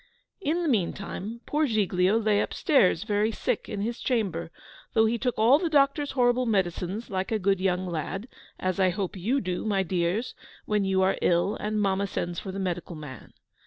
In the meanwhile poor Giglio lay upstairs very sick in his chamber, though he took all the doctor's horrible medicines like a good young lad: as I hope you do, my dears, when you are ill and mamma sends for the medical man.